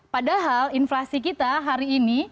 padahal inflasi kita hari ini